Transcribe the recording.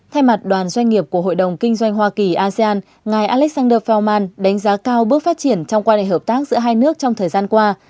thay mặt đoàn doanh nghiệp của hội đồng kinh doanh hoa kỳ asean ngài alexander faoman đánh giá cao bước phát triển trong quan hệ hợp tác giữa hai nước trong thời gian qua